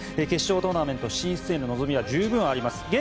決勝トーナメント進出への望みは十分にあります。